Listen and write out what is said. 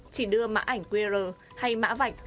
chỉ đưa mã ảnh qr hay mã vạch